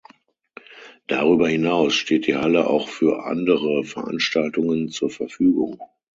Darüber hinaus steht die Halle auch für andere Veranstaltungen zur Verfügung.